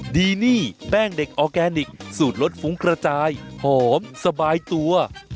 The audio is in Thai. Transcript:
ดีนี่แป้งเด็กออร์แกนิคสูตรรสฟุ้งกระจายหอมสบายตัว